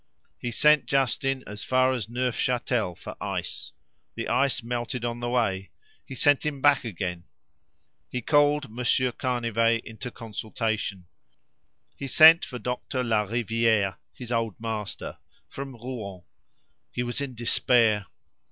He sent Justin as far as Neufchâtel for ice; the ice melted on the way; he sent him back again. He called Monsieur Canivet into consultation; he sent for Dr. Lariviere, his old master, from Rouen; he was in despair.